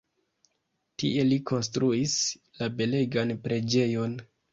Tie li konstruis la belegan preĝejon.